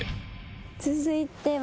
続いては。